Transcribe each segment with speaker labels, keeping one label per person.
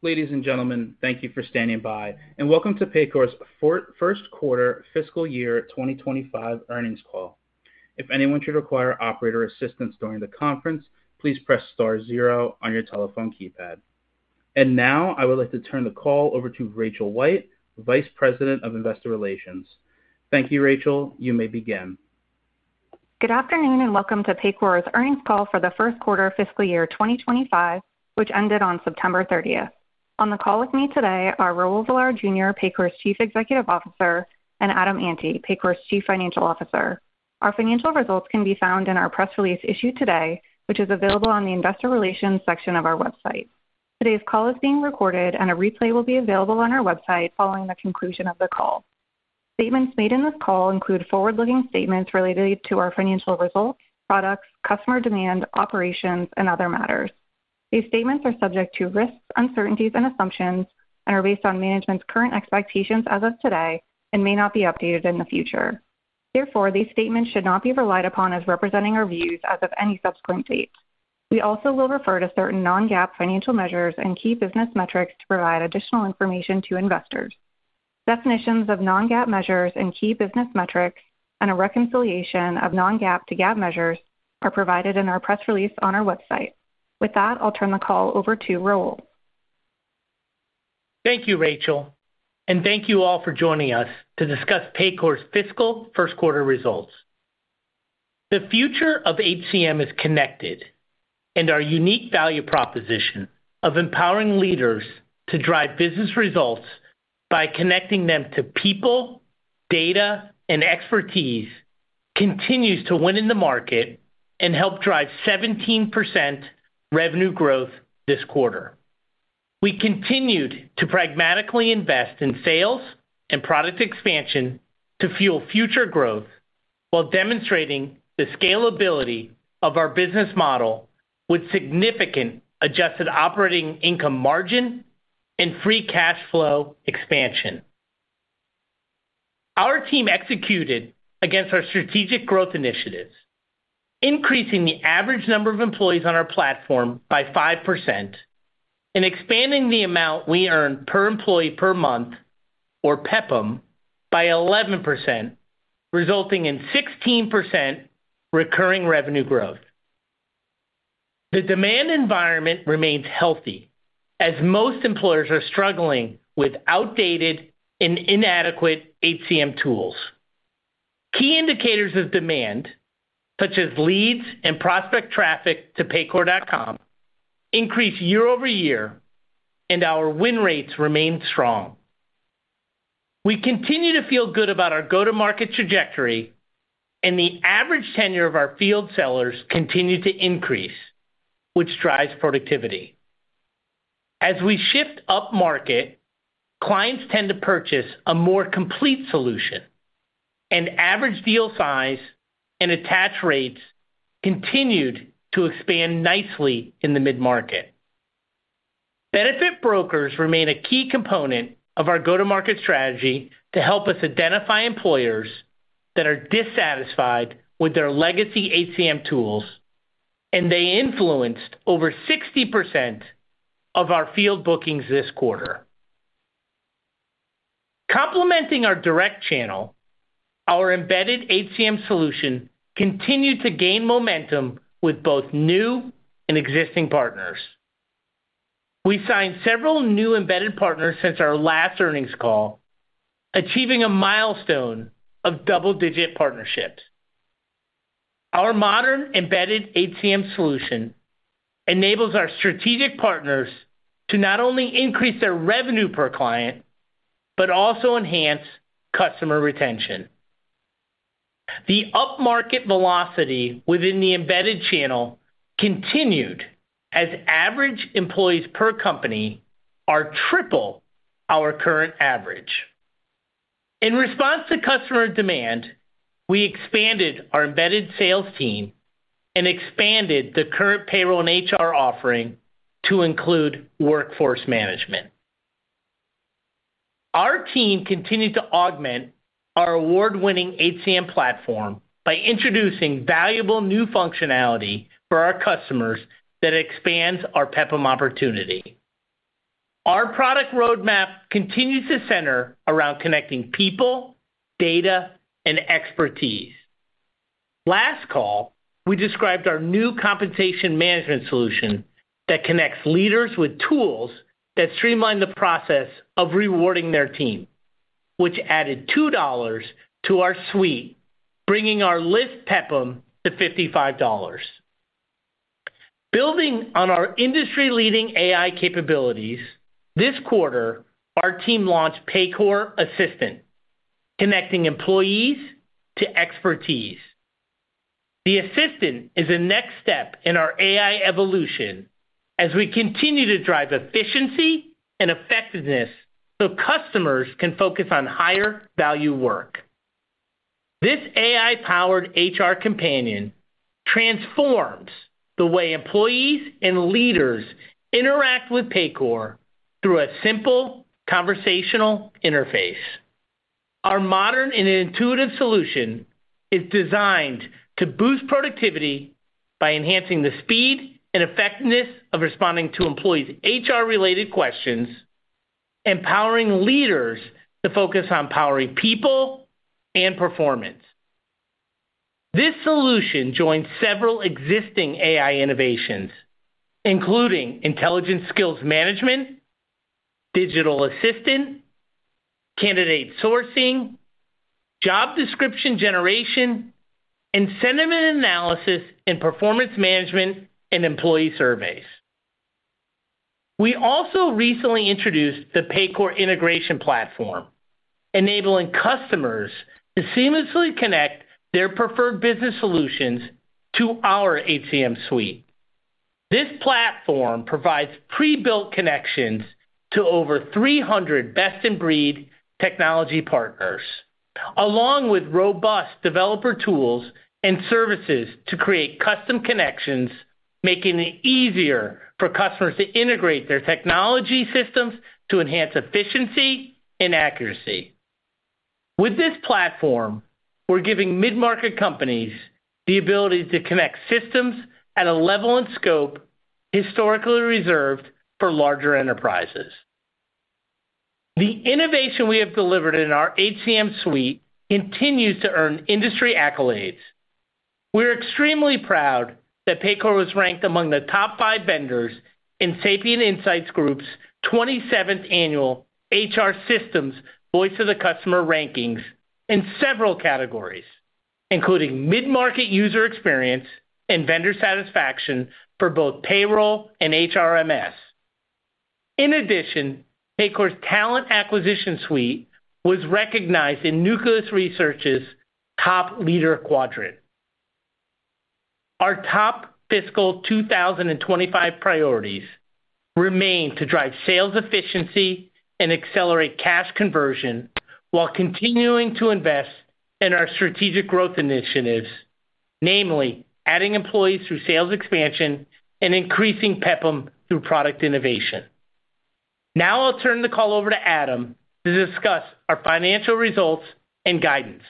Speaker 1: Ladies and gentlemen, thank you for standing by, and welcome to Paycor's first quarter fiscal year 2025 earnings call. If anyone should require operator assistance during the conference, please press star zero on your telephone keypad. And now I would like to turn the call over to Rachel White, Vice President of Investor Relations. Thank you, Rachel. You may begin.
Speaker 2: Good afternoon and welcome to Paycor's earnings call for the first quarter fiscal year 2025, which ended on September 30th. On the call with me today are Raul Villar Jr., Paycor's Chief Executive Officer, and Adam Ante, Paycor's Chief Financial Officer. Our financial results can be found in our press release issued today, which is available on the Investor Relations section of our website. Today's call is being recorded, and a replay will be available on our website following the conclusion of the call. Statements made in this call include forward-looking statements related to our financial results, products, customer demand, operations, and other matters. These statements are subject to risks, uncertainties, and assumptions, and are based on management's current expectations as of today and may not be updated in the future. Therefore, these statements should not be relied upon as representing our views as of any subsequent date. We also will refer to certain non-GAAP financial measures and key business metrics to provide additional information to investors. Definitions of non-GAAP measures and key business metrics, and a reconciliation of non-GAAP to GAAP measures, are provided in our press release on our website. With that, I'll turn the call over to Raul.
Speaker 3: Thank you, Rachel, and thank you all for joining us to discuss Paycor's fiscal first quarter results. The future of HCM is connected, and our unique value proposition of empowering leaders to drive business results by connecting them to people, data, and expertise continues to win in the market and help drive 17% revenue growth this quarter. We continued to pragmatically invest in sales and product expansion to fuel future growth while demonstrating the scalability of our business model with significant adjusted operating income margin and free cash flow expansion. Our team executed against our strategic growth initiatives, increasing the average number of employees on our platform by 5% and expanding the amount we earn per employee per month, or PEPM, by 11%, resulting in 16% recurring revenue growth. The demand environment remains healthy as most employers are struggling with outdated and inadequate HCM tools. Key indicators of demand, such as leads and prospect traffic to Paycor.com, increase year over year, and our win rates remain strong. We continue to feel good about our go-to-market trajectory, and the average tenure of our field sellers continues to increase, which drives productivity. As we shift upmarket, clients tend to purchase a more complete solution, and average deal size and attach rates continued to expand nicely in the mid-market. Benefit brokers remain a key component of our go-to-market strategy to help us identify employers that are dissatisfied with their legacy HCM tools, and they influenced over 60% of our field bookings this quarter. Complementing our direct channel, our embedded HCM solution continued to gain momentum with both new and existing partners. We signed several new embedded partners since our last earnings call, achieving a milestone of double-digit partnerships. Our modern embedded HCM solution enables our strategic partners to not only increase their revenue per client but also enhance customer retention. The upmarket velocity within the embedded channel continued as average employees per company are triple our current average. In response to customer demand, we expanded our embedded sales team and expanded the current payroll and HR offering to include Workforce Management. Our team continued to augment our award-winning HCM platform by introducing valuable new functionality for our customers that expands our PEPM opportunity. Our product roadmap continues to center around connecting people, data, and expertise. Last call, we described our new compensation management solution that connects leaders with tools that streamline the process of rewarding their team, which added $2 to our suite, bringing our list PEPM to $55. Building on our industry-leading AI capabilities, this quarter, our team launched Paycor Assistant, connecting employees to expertise. The assistant is a next step in our AI evolution as we continue to drive efficiency and effectiveness so customers can focus on higher value work. This AI-powered HR companion transforms the way employees and leaders interact with Paycor through a simple conversational interface. Our modern and intuitive solution is designed to boost productivity by enhancing the speed and effectiveness of responding to employees' HR-related questions, empowering leaders to focus on powering people and performance. This solution joins several existing AI innovations, including intelligent skills management, digital assistant, candidate sourcing, job description generation, and sentiment analysis in performance management and employee surveys. We also recently introduced the Paycor Integration Platform, enabling customers to seamlessly connect their preferred business solutions to our HCM suite. This platform provides pre-built connections to over 300 best-in-breed technology partners, along with robust developer tools and services to create custom connections, making it easier for customers to integrate their technology systems to enhance efficiency and accuracy. With this platform, we're giving mid-market companies the ability to connect systems at a level and scope historically reserved for larger enterprises. The innovation we have delivered in our HCM suite continues to earn industry accolades. We're extremely proud that Paycor was ranked among the top five vendors in Sapient Insights Group's 27th annual HR Systems Voice of the Customer rankings in several categories, including mid-market user experience and vendor satisfaction for both payroll and HRMS. In addition, Paycor's talent acquisition suite was recognized in Nucleus Research's top leader quadrant. Our top fiscal 2025 priorities remain to drive sales efficiency and accelerate cash conversion while continuing to invest in our strategic growth initiatives, namely adding employees through sales expansion and increasing PEPM through product innovation. Now I'll turn the call over to Adam to discuss our financial results and guidance.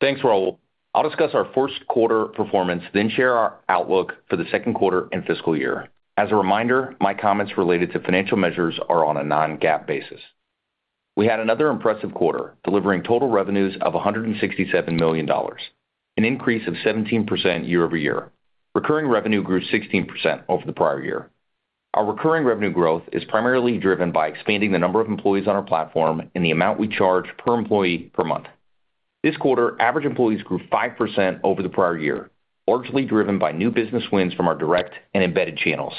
Speaker 4: Thanks, Raul. I'll discuss our first quarter performance, then share our outlook for the second quarter and fiscal year. As a reminder, my comments related to financial measures are on a Non-GAAP basis. We had another impressive quarter, delivering total revenues of $167 million, an increase of 17% year over year. Recurring revenue grew 16% over the prior year. Our recurring revenue growth is primarily driven by expanding the number of employees on our platform and the amount we charge per employee per month. This quarter, average employees grew 5% over the prior year, largely driven by new business wins from our direct and embedded channels.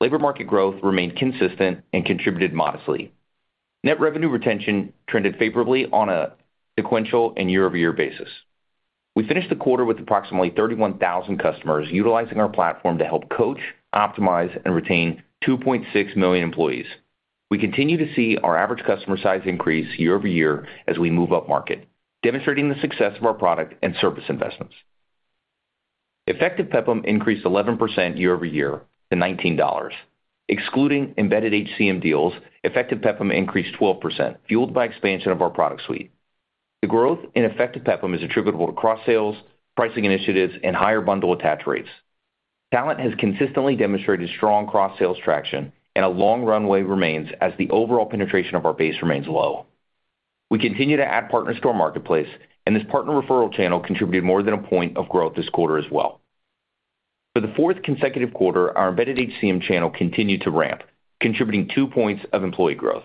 Speaker 4: Labor market growth remained consistent and contributed modestly. Net revenue retention trended favorably on a sequential and year-over-year basis. We finished the quarter with approximately 31,000 customers utilizing our platform to help coach, optimize, and retain 2.6 million employees. We continue to see our average customer size increase year over year as we move upmarket, demonstrating the success of our product and service investments. Effective PEPM increased 11% year over year to $19. Excluding embedded HCM deals, effective PEPM increased 12%, fueled by expansion of our product suite. The growth in effective PEPM is attributable to cross-sales, pricing initiatives, and higher bundle attach rates. Talent has consistently demonstrated strong cross-sales traction, and a long runway remains as the overall penetration of our base remains low. We continue to add partners to our marketplace, and this partner referral channel contributed more than a point of growth this quarter as well. For the fourth consecutive quarter, our embedded HCM channel continued to ramp, contributing two points of employee growth.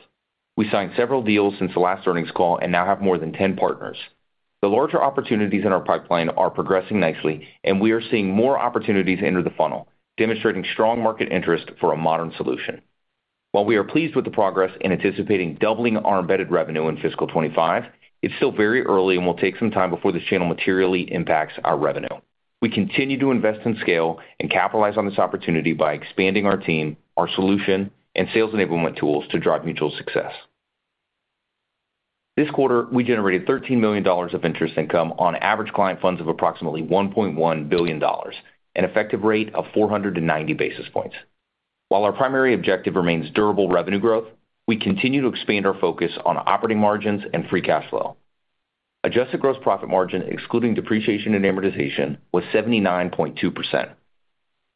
Speaker 4: We signed several deals since the last earnings call and now have more than 10 partners. The larger opportunities in our pipeline are progressing nicely, and we are seeing more opportunities enter the funnel, demonstrating strong market interest for a modern solution. While we are pleased with the progress and anticipating doubling our embedded revenue in fiscal 2025, it's still very early, and we'll take some time before this channel materially impacts our revenue. We continue to invest and scale and capitalize on this opportunity by expanding our team, our solution, and sales enablement tools to drive mutual success. This quarter, we generated $13 million of interest income on average client funds of approximately $1.1 billion, an effective rate of 490 basis points. While our primary objective remains durable revenue growth, we continue to expand our focus on operating margins and free cash flow. Adjusted gross profit margin, excluding depreciation and amortization, was 79.2%,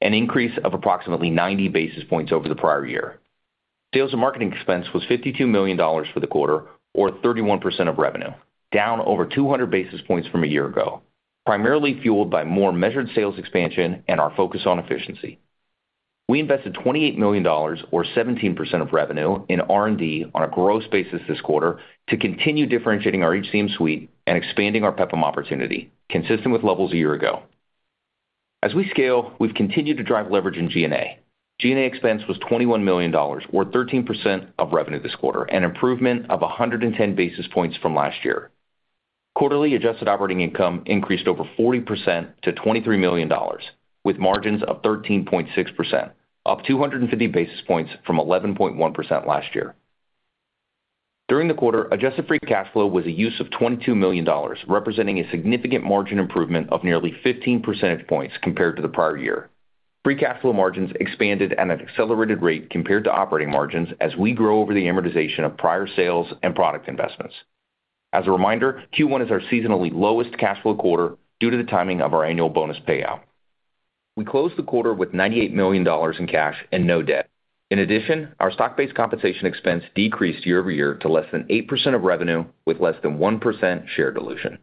Speaker 4: an increase of approximately 90 basis points over the prior year. Sales and marketing expense was $52 million for the quarter, or 31% of revenue, down over 200 basis points from a year ago, primarily fueled by more measured sales expansion and our focus on efficiency. We invested $28 million, or 17% of revenue, in R&D on a gross basis this quarter to continue differentiating our HCM suite and expanding our PEPM opportunity, consistent with levels a year ago. As we scale, we've continued to drive leverage in G&A. G&A expense was $21 million, or 13% of revenue this quarter, an improvement of 110 basis points from last year. Quarterly adjusted operating income increased over 40% to $23 million, with margins of 13.6%, up 250 basis points from 11.1% last year. During the quarter, adjusted free cash flow was a use of $22 million, representing a significant margin improvement of nearly 15 percentage points compared to the prior year. Free cash flow margins expanded at an accelerated rate compared to operating margins as we grow over the amortization of prior sales and product investments. As a reminder, Q1 is our seasonally lowest cash flow quarter due to the timing of our annual bonus payout. We closed the quarter with $98 million in cash and no debt. In addition, our stock-based compensation expense decreased year over year to less than 8% of revenue, with less than 1% share dilution.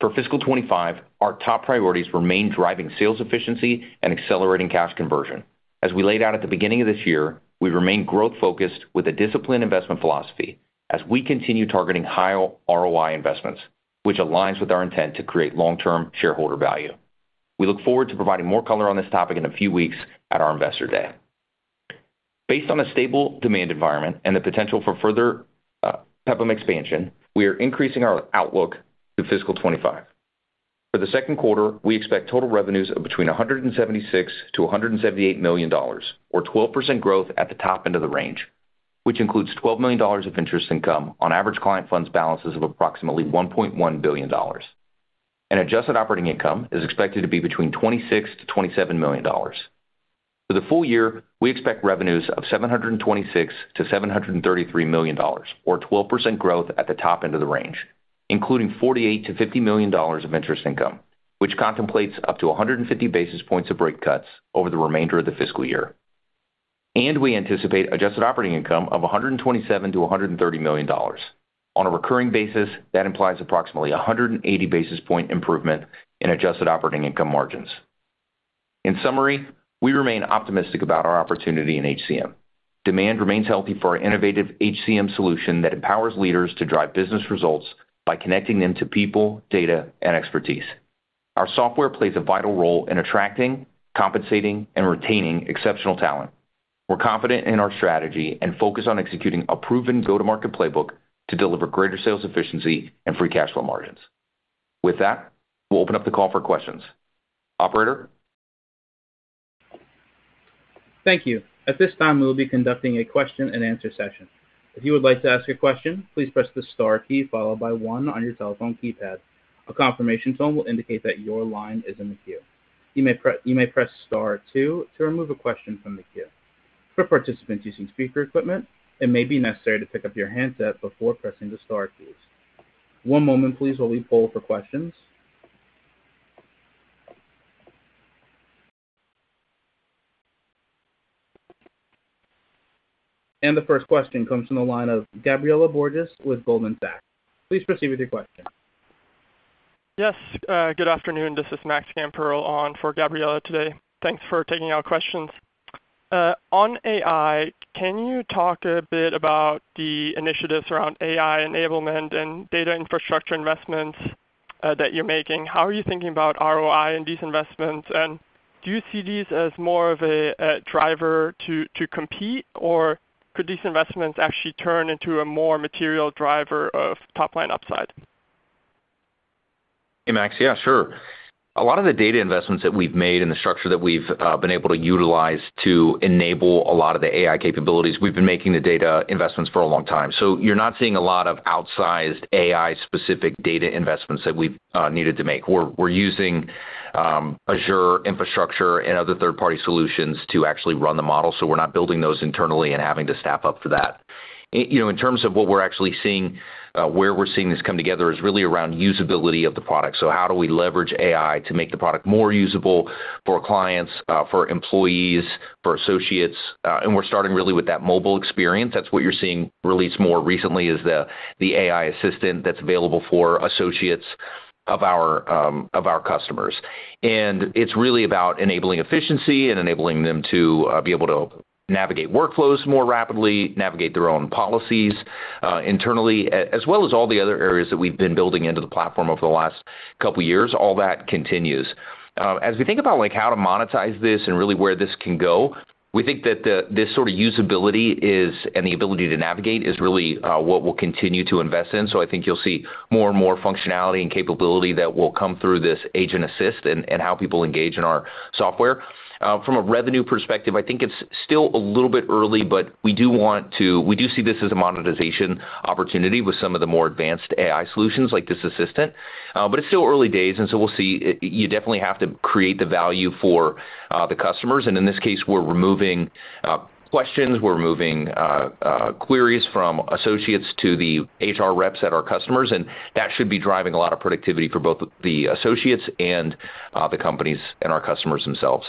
Speaker 4: For fiscal 2025, our top priorities remain driving sales efficiency and accelerating cash conversion. As we laid out at the beginning of this year, we remain growth-focused with a disciplined investment philosophy as we continue targeting high ROI investments, which aligns with our intent to create long-term shareholder value. We look forward to providing more color on this topic in a few weeks at our investor day. Based on a stable demand environment and the potential for further PEPM expansion, we are increasing our outlook to fiscal 25. For the second quarter, we expect total revenues of between $176-$178 million, or 12% growth at the top end of the range, which includes $12 million of interest income on average client funds balances of approximately $1.1 billion. Adjusted operating income is expected to be between $26-$27 million. For the full year, we expect revenues of $726-$733 million, or 12% growth at the top end of the range, including $48-$50 million of interest income, which contemplates up to 150 basis points of rate cuts over the remainder of the fiscal year. We anticipate adjusted operating income of $127-$130 million. On a recurring basis, that implies approximately 180 basis point improvement in adjusted operating income margins. In summary, we remain optimistic about our opportunity in HCM. Demand remains healthy for our innovative HCM solution that empowers leaders to drive business results by connecting them to people, data, and expertise. Our software plays a vital role in attracting, compensating, and retaining exceptional talent. We're confident in our strategy and focus on executing a proven go-to-market playbook to deliver greater sales efficiency and free cash flow margins. With that, we'll open up the call for questions. Operator.
Speaker 1: Thank you. At this time, we will be conducting a question-and-answer session. If you would like to ask a question, please press the star key followed by one on your telephone keypad. A confirmation tone will indicate that your line is in the queue. You may press star two to remove a question from the queue. For participants using speaker equipment, it may be necessary to pick up your handset before pressing the star keys. One moment, please, while we poll for questions. And the first question comes from the line of Gabriela Borges with Goldman Sachs. Please proceed with your question.
Speaker 5: Yes. Good afternoon. This is Max Gamperl on for Gabriela today. Thanks for taking our questions. On AI, can you talk a bit about the initiatives around AI enablement and data infrastructure investments that you're making? How are you thinking about ROI and these investments? And do you see these as more of a driver to compete, or could these investments actually turn into a more material driver of top-line upside?
Speaker 4: Hey, Max. Yeah, sure. A lot of the data investments that we've made and the structure that we've been able to utilize to enable a lot of the AI capabilities, we've been making the data investments for a long time. So you're not seeing a lot of outsized AI-specific data investments that we've needed to make. We're using Azure infrastructure and other third-party solutions to actually run the model. So we're not building those internally and having to staff up for that. In terms of what we're actually seeing, where we're seeing this come together is really around usability of the product. So how do we leverage AI to make the product more usable for clients, for employees, for associates? And we're starting really with that mobile experience. That's what you're seeing released more recently is the AI assistant that's available for associates of our customers. It's really about enabling efficiency and enabling them to be able to navigate workflows more rapidly, navigate their own policies internally, as well as all the other areas that we've been building into the platform over the last couple of years. All that continues. As we think about how to monetize this and really where this can go, we think that this sort of usability and the ability to navigate is really what we'll continue to invest in. So I think you'll see more and more functionality and capability that will come through this Paycor Assistant and how people engage in our software. From a revenue perspective, I think it's still a little bit early, but we do want to, we do see this as a monetization opportunity with some of the more advanced AI solutions like this assistant. But it's still early days, and so we'll see. You definitely have to create the value for the customers, and in this case, we're removing questions. We're removing queries from associates to the HR reps at our customers, and that should be driving a lot of productivity for both the associates and the companies and our customers themselves.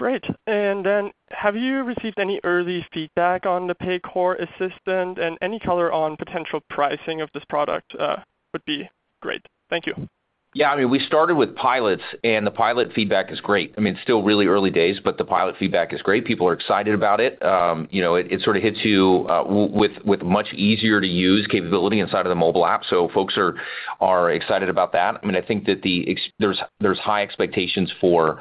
Speaker 5: Great. And then have you received any early feedback on the Paycor Assistant? And any color on potential pricing of this product would be great. Thank you.
Speaker 4: Yeah. I mean, we started with pilots, and the pilot feedback is great. I mean, it's still really early days, but the pilot feedback is great. People are excited about it. It sort of hits you with much easier-to-use capability inside of the mobile app. So folks are excited about that. I mean, I think that there's high expectations for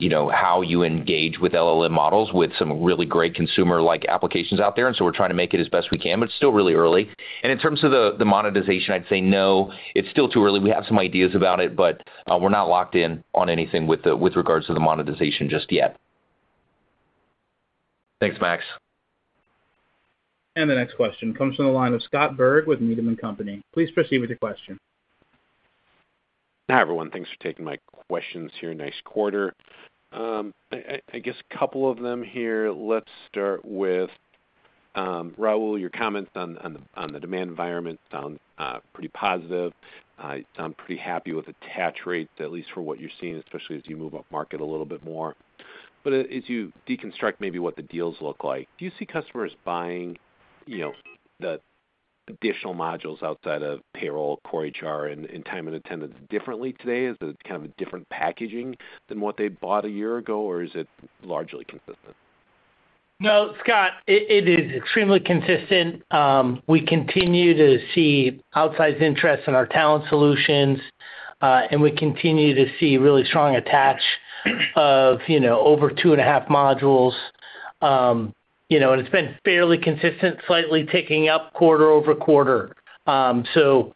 Speaker 4: how you engage with LLM models with some really great consumer-like applications out there. And so we're trying to make it as best we can, but it's still really early. And in terms of the monetization, I'd say no. It's still too early. We have some ideas about it, but we're not locked in on anything with regards to the monetization just yet. Thanks, Max.
Speaker 1: The next question comes from the line of Scott Berg with Needham & Company. Please proceed with your question.
Speaker 6: Hi everyone. Thanks for taking my questions here. Nice quarter. I guess a couple of them here. Let's start with Raul. Your comments on the demand environment sound pretty positive. I'm pretty happy with attach rates, at least for what you're seeing, especially as you move upmarket a little bit more. But as you deconstruct maybe what the deals look like, do you see customers buying the additional modules outside of payroll, core HR, and time and attendance differently today? Is it kind of a different packaging than what they bought a year ago, or is it largely consistent?
Speaker 3: No, Scott, it is extremely consistent. We continue to see outsized interest in our talent solutions, and we continue to see really strong attach of over two and a half modules. And it's been fairly consistent, slightly ticking up quarter over quarter, so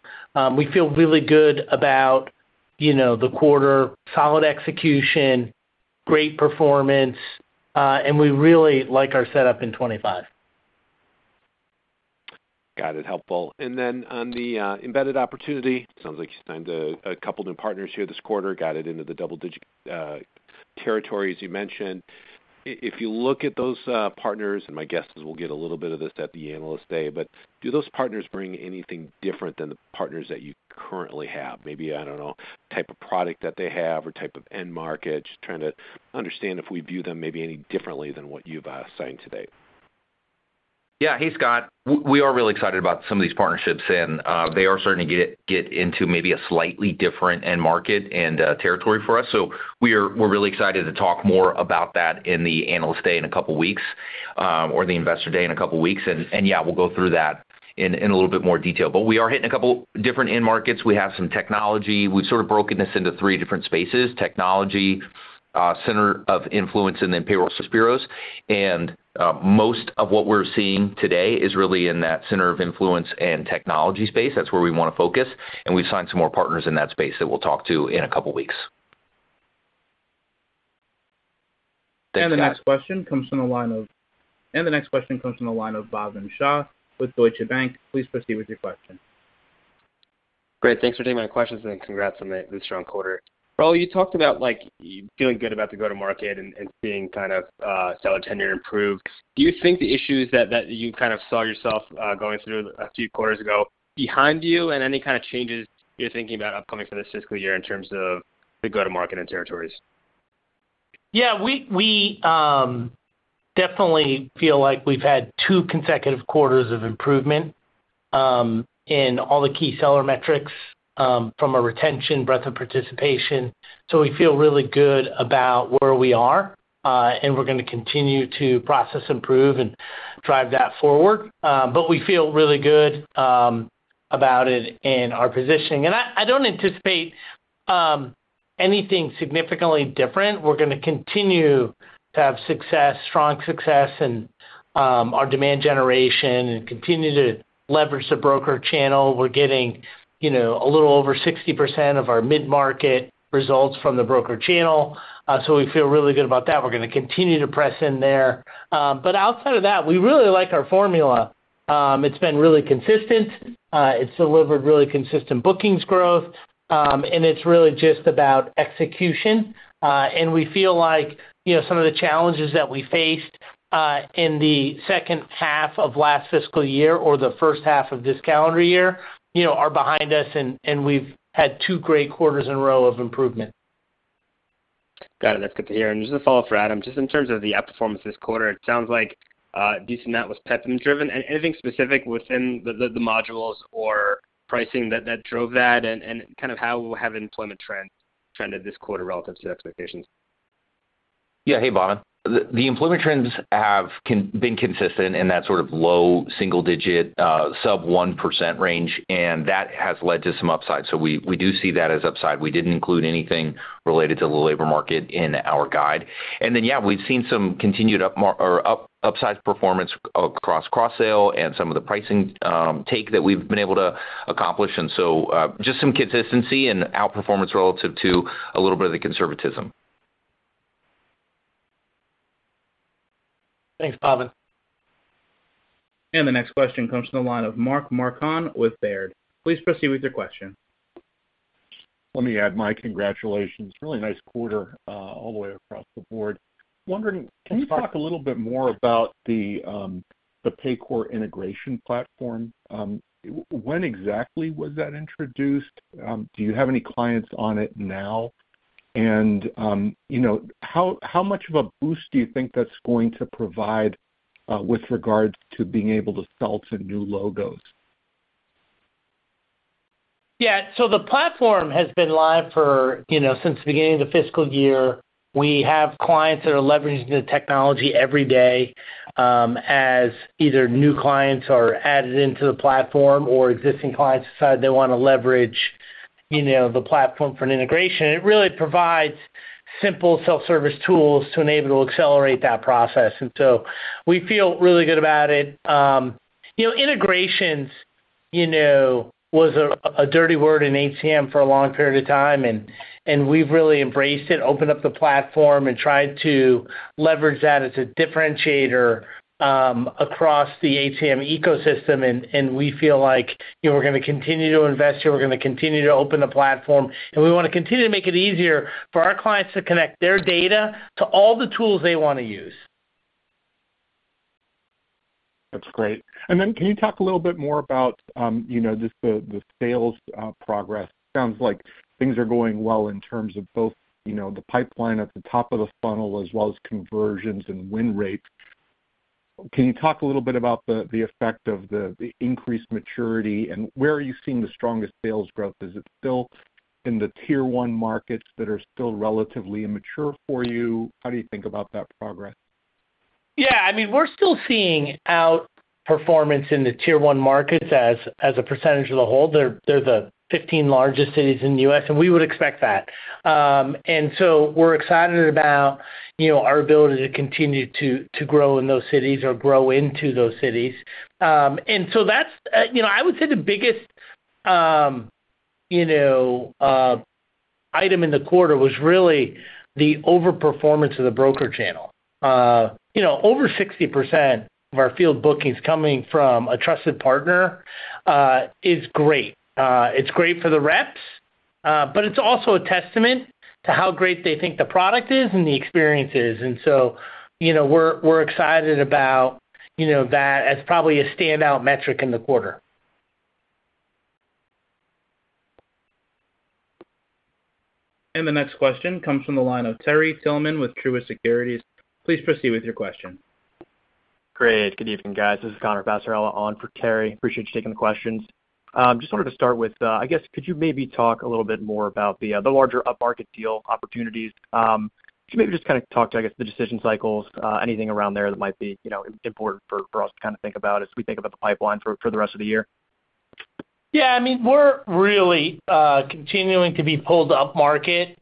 Speaker 3: we feel really good about the quarter, solid execution, great performance, and we really like our setup in 2025.
Speaker 6: Got it. Helpful. And then on the embedded opportunity, sounds like you signed a couple of new partners here this quarter, got it into the double-digit territory, as you mentioned. If you look at those partners, and my guess is we'll get a little bit of this at the analyst day, but do those partners bring anything different than the partners that you currently have? Maybe, I don't know, type of product that they have or type of end market? Just trying to understand if we view them maybe any differently than what you've signed today.
Speaker 4: Yeah. Hey, Scott. We are really excited about some of these partnerships, and they are starting to get into maybe a slightly different end market and territory for us, so we're really excited to talk more about that in the analyst day in a couple of weeks or the investor day in a couple of weeks. And yeah, we'll go through that in a little bit more detail, but we are hitting a couple of different end markets. We have some technology. We've sort of broken this into three different spaces: technology, center of influence, and then payroll service bureaus. And most of what we're seeing today is really in that center of influence and technology space. That's where we want to focus. And we've signed some more partners in that space that we'll talk to in a couple of weeks.
Speaker 1: The next question comes from the line of Bhavin Shah with Deutsche Bank. Please proceed with your question.
Speaker 7: Great. Thanks for taking my questions and congrats on this strong quarter. Raul, you talked about feeling good about the go-to-market and seeing kind of seller tenure improved. Do you think the issues that you kind of saw yourself going through a few quarters ago are behind you and any kind of changes you're thinking about upcoming for this fiscal year in terms of the go-to-market and territories?
Speaker 3: Yeah. We definitely feel like we've had two consecutive quarters of improvement in all the key seller metrics from a retention, breadth of participation, so we feel really good about where we are, and we're going to continue to process, improve, and drive that forward, but we feel really good about it in our positioning, and I don't anticipate anything significantly different. We're going to continue to have success, strong success in our demand generation and continue to leverage the broker channel. We're getting a little over 60% of our mid-market results from the broker channel, so we feel really good about that. We're going to continue to press in there, but outside of that, we really like our formula. It's been really consistent. It's delivered really consistent bookings growth, and it's really just about execution. We feel like some of the challenges that we faced in the second half of last fiscal year or the first half of this calendar year are behind us, and we've had two great quarters in a row of improvement.
Speaker 7: Got it. That's good to hear. And just a follow-up for Adam, just in terms of the outperformance this quarter, it sounds like decent net was PEPM-driven. And anything specific within the modules or pricing that drove that and kind of how have employment trends trended this quarter relative to expectations?
Speaker 4: Yeah. Hey, Bhavin. The employment trends have been consistent in that sort of low single-digit, sub-1% range, and that has led to some upside. So we do see that as upside. We didn't include anything related to the labor market in our guide. And then, yeah, we've seen some continued upside performance across cross-sale and some of the pricing take that we've been able to accomplish. And so just some consistency and outperformance relative to a little bit of the conservatism.
Speaker 7: Thanks, Adam.
Speaker 1: The next question comes from the line of Mark Marcon with Baird. Please proceed with your question.
Speaker 8: Let me add my congratulations. Really nice quarter all the way across the board. Wondering, can you talk a little bit more about the Paycor HCM integration platform? When exactly was that introduced? Do you have any clients on it now? And how much of a boost do you think that's going to provide with regards to being able to sell some new logos?
Speaker 3: Yeah. So the platform has been live since the beginning of the fiscal year. We have clients that are leveraging the technology every day as either new clients are added into the platform or existing clients decide they want to leverage the platform for an integration. It really provides simple self-service tools to enable to accelerate that process. And so we feel really good about it. Integrations was a dirty word in HCM for a long period of time, and we've really embraced it, opened up the platform, and tried to leverage that as a differentiator across the HCM ecosystem. And we feel like we're going to continue to invest here. We're going to continue to open the platform, and we want to continue to make it easier for our clients to connect their data to all the tools they want to use.
Speaker 8: That's great. And then can you talk a little bit more about the sales progress? Sounds like things are going well in terms of both the pipeline at the top of the funnel as well as conversions and win rates. Can you talk a little bit about the effect of the increased maturity and where are you seeing the strongest sales growth? Is it still in the tier-one markets that are still relatively immature for you? How do you think about that progress?
Speaker 3: Yeah. I mean, we're still seeing outperformance in the tier-one markets as a percentage of the whole. They're the 15 largest cities in the U.S., and we would expect that. And so we're excited about our ability to continue to grow in those cities or grow into those cities. And so that's, I would say, the biggest item in the quarter was really the overperformance of the broker channel. Over 60% of our field bookings coming from a trusted partner is great. It's great for the reps, but it's also a testament to how great they think the product is and the experience is. And so we're excited about that as probably a standout metric in the quarter.
Speaker 1: The next question comes from the line of Terry Tillman with Truist Securities. Please proceed with your question.
Speaker 9: Great. Good evening, guys. This is Connor Passarella on for Terry. Appreciate you taking the questions. Just wanted to start with, I guess, could you maybe talk a little bit more about the larger upmarket deal opportunities? Could you maybe just kind of talk to, I guess, the decision cycles, anything around there that might be important for us to kind of think about as we think about the pipeline for the rest of the year?
Speaker 3: Yeah. I mean, we're really continuing to be pulled upmarket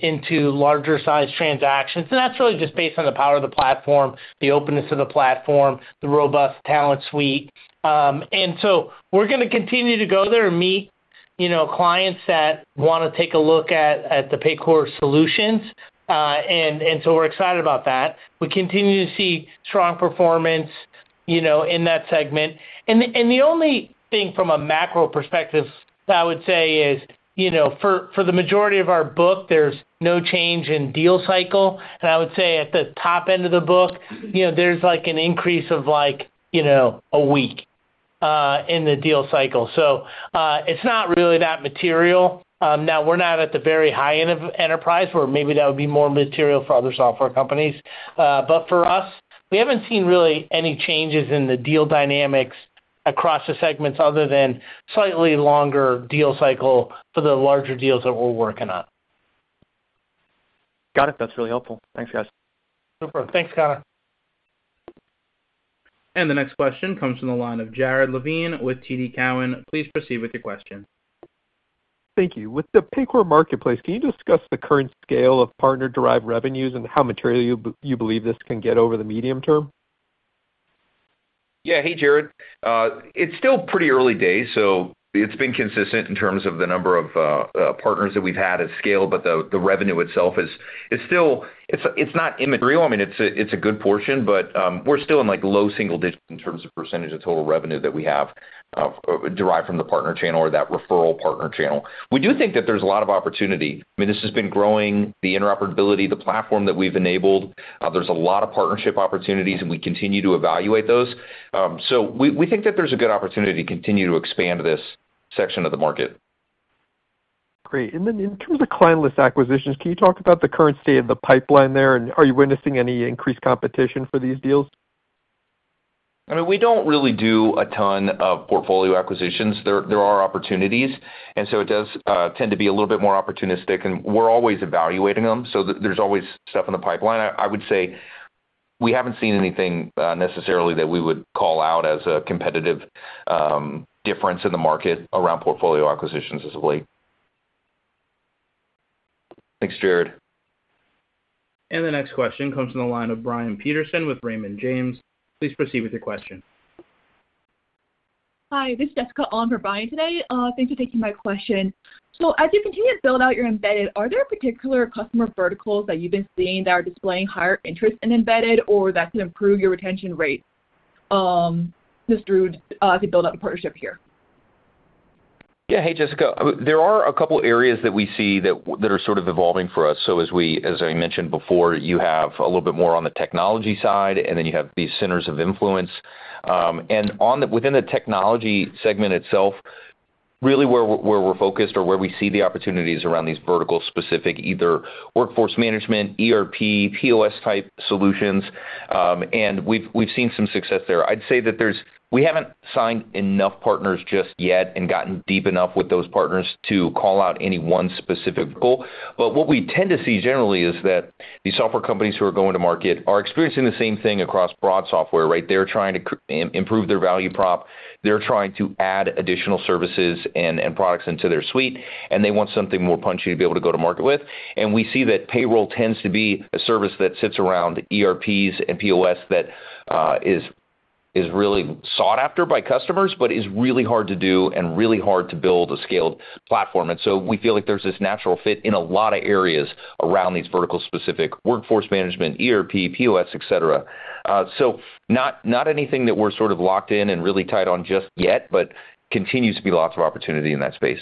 Speaker 3: into larger-sized transactions. And that's really just based on the power of the platform, the openness of the platform, the robust talent suite. And so we're going to continue to go there and meet clients that want to take a look at the Paycor HCM solutions. And so we're excited about that. We continue to see strong performance in that segment. And the only thing from a macro perspective I would say is for the majority of our book, there's no change in deal cycle. And I would say at the top end of the book, there's an increase of like a week in the deal cycle. So it's not really that material. Now, we're not at the very high end of enterprise where maybe that would be more material for other software companies. But for us, we haven't seen really any changes in the deal dynamics across the segments other than slightly longer deal cycle for the larger deals that we're working on.
Speaker 9: Got it. That's really helpful. Thanks, guys.
Speaker 3: Super. Thanks, Connor.
Speaker 1: And the next question comes from the line of Jared Levine with TD Cowen. Please proceed with your question.
Speaker 10: Thank you. With the Paycor HCM marketplace, can you discuss the current scale of partner-derived revenues and how material you believe this can get over the medium term?
Speaker 4: Yeah. Hey, Jared. It's still pretty early days. So it's been consistent in terms of the number of partners that we've had at scale, but the revenue itself is still not immaterial. I mean, it's a good portion, but we're still in low single-digit % of total revenue that we have derived from the partner channel or that referral partner channel. We do think that there's a lot of opportunity. I mean, this has been growing, the interoperability, the platform that we've enabled. There's a lot of partnership opportunities, and we continue to evaluate those. So we think that there's a good opportunity to continue to expand this section of the market.
Speaker 10: Great. And then in terms of client acquisitions, can you talk about the current state of the pipeline there, and are you witnessing any increased competition for these deals?
Speaker 4: I mean, we don't really do a ton of portfolio acquisitions. There are opportunities, and so it does tend to be a little bit more opportunistic, and we're always evaluating them. So there's always stuff in the pipeline. I would say we haven't seen anything necessarily that we would call out as a competitive difference in the market around portfolio acquisitions as of late. Thanks, Jared.
Speaker 1: And the next question comes from the line of Brian Peterson with Raymond James. Please proceed with your question.
Speaker 11: Hi. This is Jessica Allen for Raymond James. Thanks for taking my question. So as you continue to build out your embedded, are there particular customer verticals that you've been seeing that are displaying higher interest in embedded or that could improve your retention rate as you build out the partnership here?
Speaker 4: Yeah. Hey, Jessica. There are a couple of areas that we see that are sort of evolving for us. So as I mentioned before, you have a little bit more on the technology side, and then you have these centers of influence, and within the technology segment itself, really where we're focused or where we see the opportunities around these vertical-specific either workforce management, ERP, POS-type solutions, and we've seen some success there. I'd say that we haven't signed enough partners just yet and gotten deep enough with those partners to call out any one specific vertical, but what we tend to see generally is that these software companies who are going to market are experiencing the same thing across broad software, right? They're trying to improve their value prop. They're trying to add additional services and products into their suite, and they want something more punchy to be able to go to market with. And we see that payroll tends to be a service that sits around ERPs and POS that is really sought after by customers but is really hard to do and really hard to build a scaled platform. And so we feel like there's this natural fit in a lot of areas around these vertical-specific workforce management, ERP, POS, etc. So not anything that we're sort of locked in and really tied on just yet, but continues to be lots of opportunity in that space.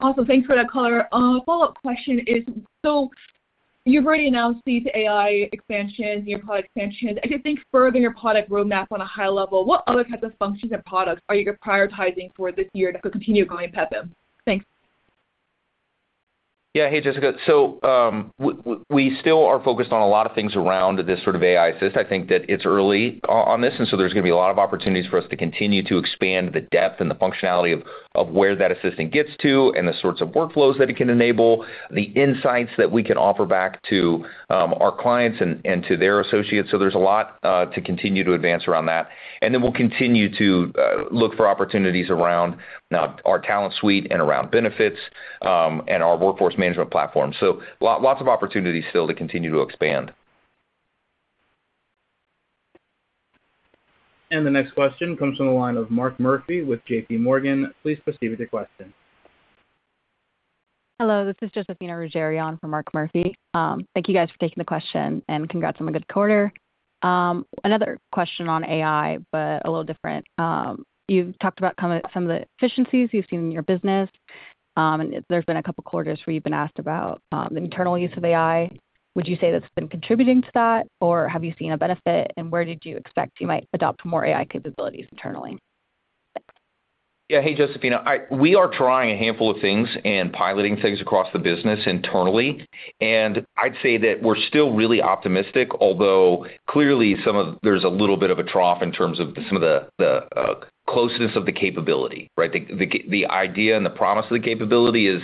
Speaker 11: Awesome. Thanks for that color. Follow-up question is, so you've already announced these AI expansions, new product expansions. As you think further in your product roadmap on a high level, what other types of functions and products are you prioritizing for this year that could continue going PEPM? Thanks.
Speaker 4: Yeah. Hey, Jessica. So we still are focused on a lot of things around this sort of AI assistant. I think that it's early on this, and so there's going to be a lot of opportunities for us to continue to expand the depth and the functionality of where that assistant gets to and the sorts of workflows that it can enable, the insights that we can offer back to our clients and to their associates. So there's a lot to continue to advance around that. And then we'll continue to look for opportunities around our talent suite and around benefits and our workforce management platform. So lots of opportunities still to continue to expand.
Speaker 1: The next question comes from the line of Mark Murphy with JPMorgan. Please proceed with your question.
Speaker 12: Hello. This is Josefina Ruggieri from Mark Murphy. Thank you guys for taking the question and congrats on a good quarter. Another question on AI, but a little different. You've talked about some of the efficiencies you've seen in your business, and there's been a couple of quarters where you've been asked about the internal use of AI. Would you say that's been contributing to that, or have you seen a benefit, and where did you expect you might adopt more AI capabilities internally?
Speaker 4: Yeah. Hey, Josefina. We are trying a handful of things and piloting things across the business internally. And I'd say that we're still really optimistic, although clearly there's a little bit of a trough in terms of some of the closeness of the capability, right? The idea and the promise of the capability is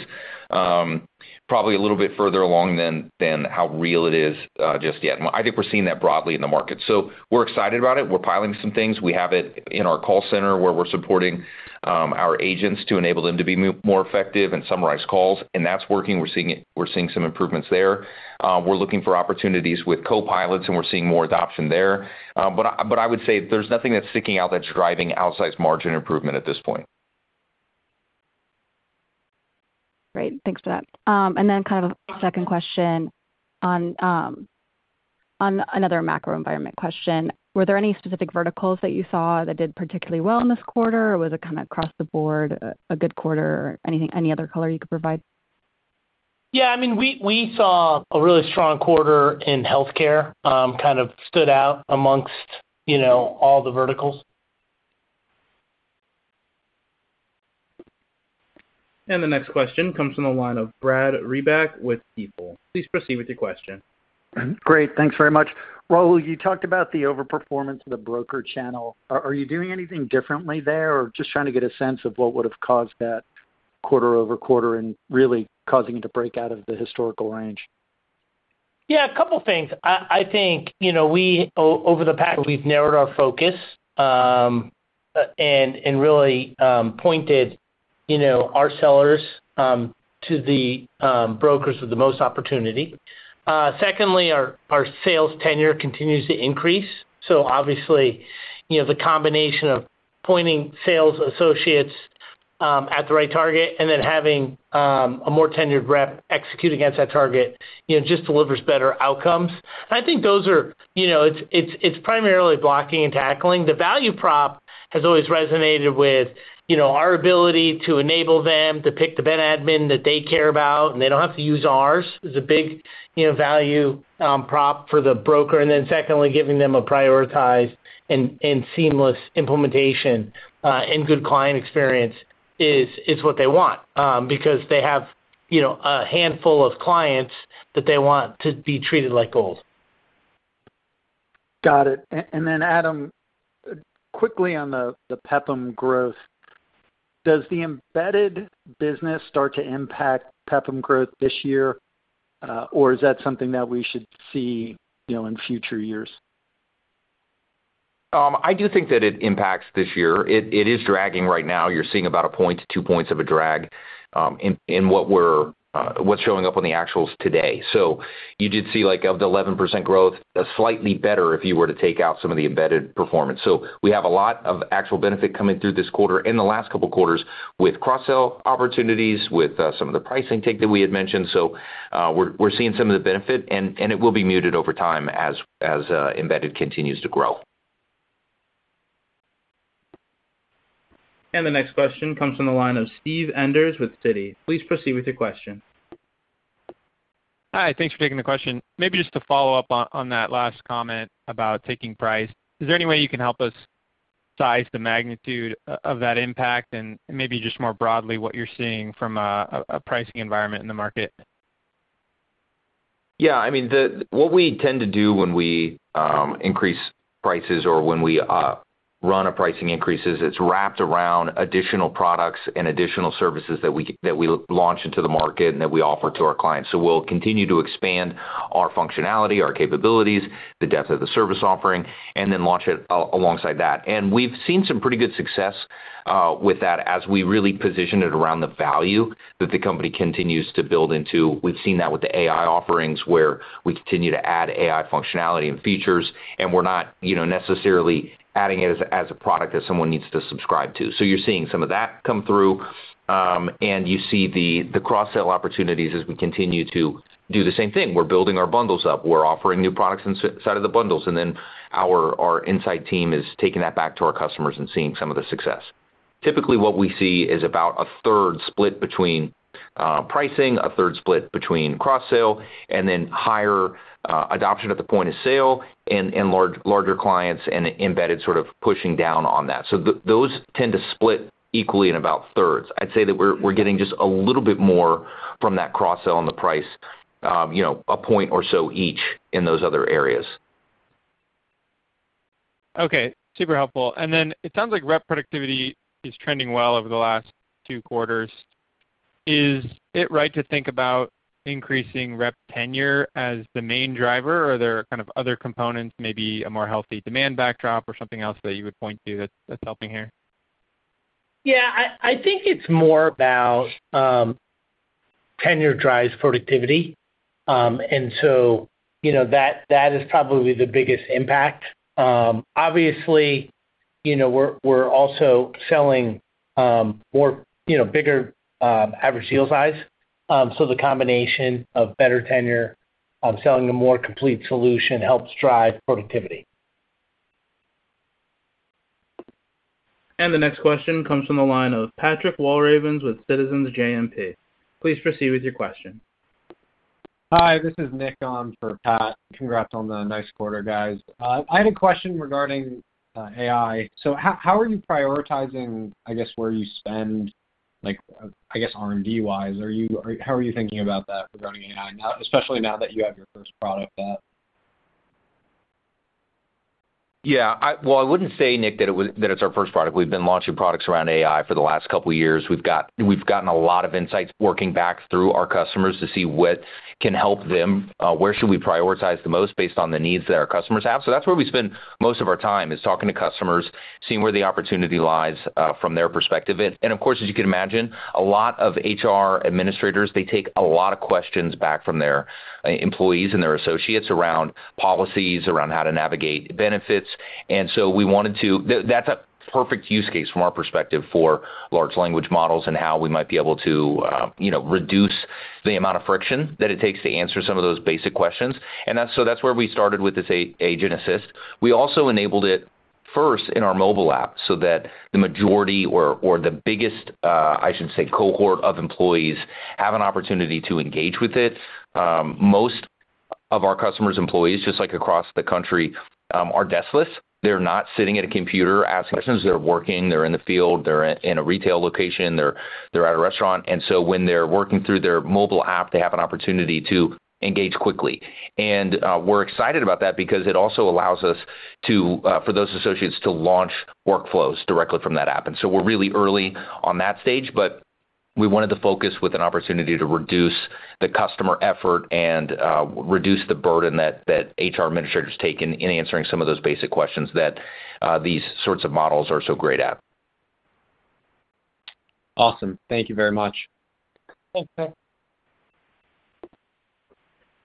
Speaker 4: probably a little bit further along than how real it is just yet. I think we're seeing that broadly in the market. So we're excited about it. We're piloting some things. We have it in our call center where we're supporting our agents to enable them to be more effective and summarize calls. And that's working. We're seeing some improvements there. We're looking for opportunities with copilots, and we're seeing more adoption there. But I would say there's nothing that's sticking out that's driving outsized margin improvement at this point.
Speaker 12: Great. Thanks for that. And then kind of a second question on another macro environment question. Were there any specific verticals that you saw that did particularly well in this quarter, or was it kind of across the board a good quarter? Any other color you could provide?
Speaker 3: Yeah. I mean, we saw a really strong quarter in healthcare, kind of stood out amongst all the verticals.
Speaker 1: And the next question comes from the line of Brad Reback with Stifel. Please proceed with your question.
Speaker 13: Great. Thanks very much. Raul, you talked about the overperformance of the broker channel. Are you doing anything differently there or just trying to get a sense of what would have caused that quarter over quarter and really causing it to break out of the historical range?
Speaker 3: Yeah. A couple of things. I think over the past, we've narrowed our focus and really pointed our sellers to the brokers with the most opportunity. Secondly, our sales tenure continues to increase. So obviously, the combination of pointing sales associates at the right target and then having a more tenured rep execute against that target just delivers better outcomes. And I think those are. It's primarily blocking and tackling. The value prop has always resonated with our ability to enable them to pick the BEN Admin that they care about, and they don't have to use ours. It's a big value prop for the broker. And then secondly, giving them a prioritized and seamless implementation and good client experience is what they want because they have a handful of clients that they want to be treated like gold.
Speaker 13: Got it. And then Adam, quickly on the PEPM growth, does the embedded business start to impact PEPM growth this year, or is that something that we should see in future years?
Speaker 4: I do think that it impacts this year. It is dragging right now. You're seeing about a point to two points of a drag in what's showing up on the actuals today. So you did see of the 11% growth, slightly better if you were to take out some of the embedded performance. So we have a lot of actual benefit coming through this quarter and the last couple of quarters with cross-sell opportunities, with some of the price intake that we had mentioned. So we're seeing some of the benefit, and it will be muted over time as embedded continues to grow.
Speaker 1: The next question comes from the line of Steve Enders with Citi. Please proceed with your question.
Speaker 14: Hi. Thanks for taking the question. Maybe just to follow up on that last comment about taking price, is there any way you can help us size the magnitude of that impact and maybe just more broadly what you're seeing from a pricing environment in the market?
Speaker 4: Yeah. I mean, what we tend to do when we increase prices or when we run a pricing increase is it's wrapped around additional products and additional services that we launch into the market and that we offer to our clients. So we'll continue to expand our functionality, our capabilities, the depth of the service offering, and then launch it alongside that. And we've seen some pretty good success with that as we really position it around the value that the company continues to build into. We've seen that with the AI offerings where we continue to add AI functionality and features, and we're not necessarily adding it as a product that someone needs to subscribe to. So you're seeing some of that come through, and you see the cross-sell opportunities as we continue to do the same thing. We're building our bundles up. We're offering new products inside of the bundles, and then our insight team is taking that back to our customers and seeing some of the success. Typically, what we see is about a third split between pricing, a third split between cross-sale, and then higher adoption at the point of sale and larger clients and embedded sort of pushing down on that, so those tend to split equally in about thirds. I'd say that we're getting just a little bit more from that cross-sell on the price, a point or so each in those other areas.
Speaker 14: Okay. Super helpful. And then it sounds like rep productivity is trending well over the last two quarters. Is it right to think about increasing rep tenure as the main driver, or are there kind of other components, maybe a more healthy demand backdrop or something else that you would point to that's helping here?
Speaker 3: Yeah. I think it's more about tenure drives productivity, and so that is probably the biggest impact. Obviously, we're also selling bigger average deal size, so the combination of better tenure, selling a more complete solution helps drive productivity.
Speaker 1: The next question comes from the line of Patrick Walravens with Citizens JMP. Please proceed with your question.
Speaker 15: Hi. This is Nick for Pat. Congrats on the nice quarter, guys. I had a question regarding AI. So how are you prioritizing, I guess, where you spend, I guess, R&D-wise? How are you thinking about that regarding AI, especially now that you have your first product out?
Speaker 4: Yeah. Well, I wouldn't say, Nick, that it's our first product. We've been launching products around AI for the last couple of years. We've gotten a lot of insights working back through our customers to see what can help them, where should we prioritize the most based on the needs that our customers have. So that's where we spend most of our time is talking to customers, seeing where the opportunity lies from their perspective. And of course, as you can imagine, a lot of HR administrators, they take a lot of questions back from their employees and their associates around policies, around how to navigate benefits. And so we wanted to. That's a perfect use case from our perspective for large language models and how we might be able to reduce the amount of friction that it takes to answer some of those basic questions. That's where we started with this agent assist. We also enabled it first in our mobile app so that the majority or the biggest, I should say, cohort of employees have an opportunity to engage with it. Most of our customers' employees, just like across the country, are deskless. They're not sitting at a computer asking questions. They're working. They're in the field. They're in a retail location. They're at a restaurant. When they're working through their mobile app, they have an opportunity to engage quickly. We're excited about that because it also allows us, for those associates, to launch workflows directly from that app. And so, we're really early on that stage, but we wanted to focus with an opportunity to reduce the customer effort and reduce the burden that HR administrators take in answering some of those basic questions that these sorts of models are so great at.
Speaker 15: Awesome. Thank you very much.
Speaker 4: Thanks, Nick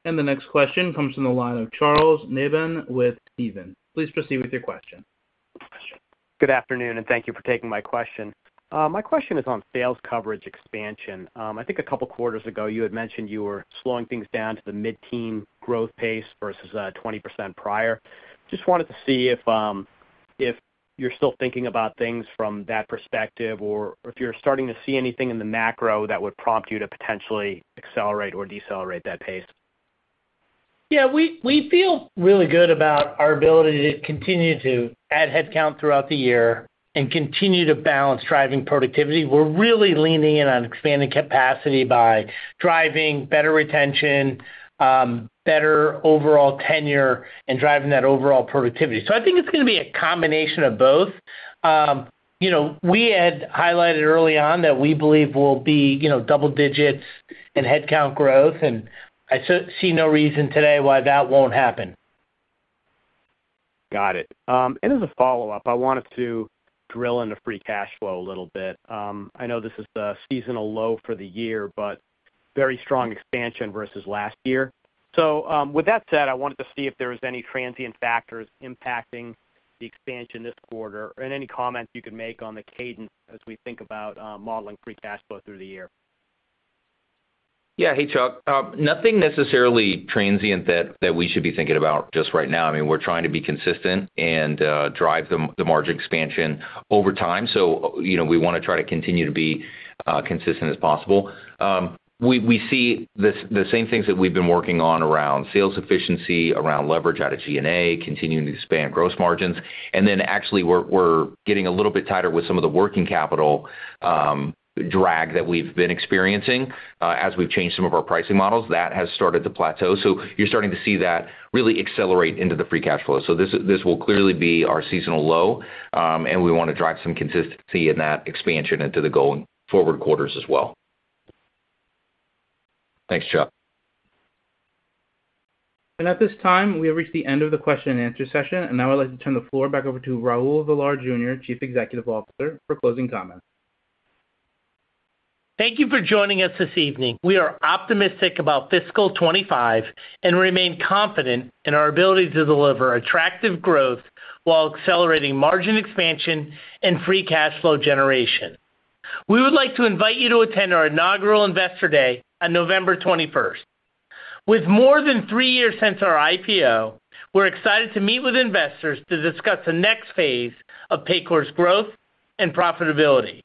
Speaker 1: And the next question comes from the line of Charles Nabhan with Stephens. Please proceed with your question.
Speaker 16: Good afternoon, and thank you for taking my question. My question is on sales coverage expansion. I think a couple of quarters ago, you had mentioned you were slowing things down to the mid-teens growth pace versus 20% prior. Just wanted to see if you're still thinking about things from that perspective or if you're starting to see anything in the macro that would prompt you to potentially accelerate or decelerate that pace.
Speaker 3: Yeah. We feel really good about our ability to continue to add headcount throughout the year and continue to balance driving productivity. We're really leaning in on expanding capacity by driving better retention, better overall tenure, and driving that overall productivity. So I think it's going to be a combination of both. We had highlighted early on that we believe we'll be double digits in headcount growth, and I see no reason today why that won't happen.
Speaker 16: Got it. And as a follow-up, I wanted to drill into free cash flow a little bit. I know this is the seasonal low for the year, but very strong expansion versus last year. So with that said, I wanted to see if there were any transient factors impacting the expansion this quarter and any comments you could make on the cadence as we think about modeling free cash flow through the year.
Speaker 4: Yeah. Hey, Chuck. Nothing necessarily transient that we should be thinking about just right now. I mean, we're trying to be consistent and drive the margin expansion over time. So we want to try to continue to be consistent as possible. We see the same things that we've been working on around sales efficiency, around leverage out of G&A, continuing to expand gross margins. And then actually, we're getting a little bit tighter with some of the working capital drag that we've been experiencing as we've changed some of our pricing models. That has started to plateau. So you're starting to see that really accelerate into the free cash flow. So this will clearly be our seasonal low, and we want to drive some consistency in that expansion into the going forward quarters as well. Thanks, Charles.
Speaker 1: At this time, we have reached the end of the question and answer session. Now I'd like to turn the floor back over to Raul Villar Jr., Chief Executive Officer, for closing comments.
Speaker 3: Thank you for joining us this evening. We are optimistic about fiscal 2025 and remain confident in our ability to deliver attractive growth while accelerating margin expansion and free cash flow generation. We would like to invite you to attend our inaugural Investor Day on November 21st. With more than three years since our IPO, we're excited to meet with investors to discuss the next phase of Paycor's growth and profitability.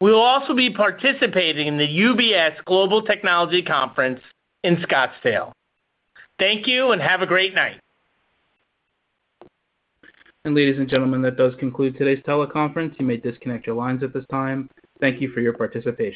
Speaker 3: We will also be participating in the UBS Global Technology Conference in Scottsdale. Thank you and have a great night.
Speaker 1: Ladies and gentlemen, that does conclude today's teleconference. You may disconnect your lines at this time. Thank you for your participation.